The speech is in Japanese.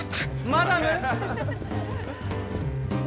マダム！